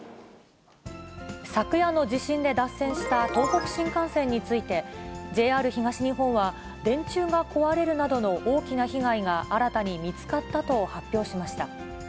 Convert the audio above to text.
昨夜の地震で脱線した東北新幹線について、ＪＲ東日本は電柱が壊れるなどの大きな被害が新たに見つかったと発表しました。